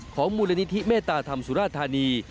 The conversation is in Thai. มูลนิธิเมตตาธรรมสุราธานี